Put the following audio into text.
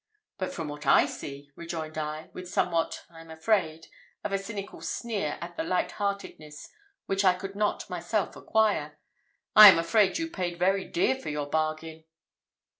"But from what I see," rejoined I, with somewhat, I am afraid, of a cynical sneer at the light heartedness which I could not myself acquire, "I am afraid you paid very dear for your bargain."